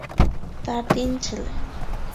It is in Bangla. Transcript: তার তিন ছেলে।